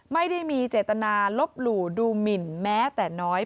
ไม่ได้มีเจตนาลบหลู่ดูหมินแม้แต่น้อย